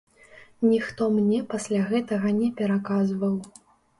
Ніхто мне пасля гэтага не пераказваў.